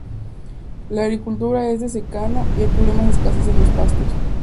La agricultura es de secano y hay problemas de escasez en los pastos.